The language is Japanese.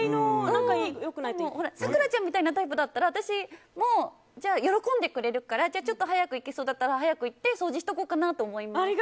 咲楽ちゃんみたいなタイプだったら喜んでくれるから早く行けそうだったら早く行って掃除しとこうかなと思います。